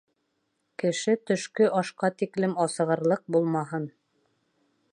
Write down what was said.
Кеше төшкө ашҡа тиклем асығырлыҡ булмаһын.